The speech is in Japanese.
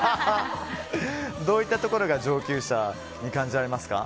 どういったところが上級者に感じられますか？